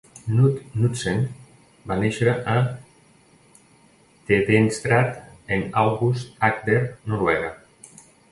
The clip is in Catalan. Knud Knudsen va néixer a Tvedestrand en Aust-Agder, Noruega.